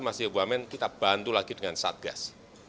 mas ibu amen kita bantu lagi dengan satgas